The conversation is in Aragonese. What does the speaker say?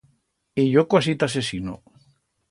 Y yo cuasi t'asesino.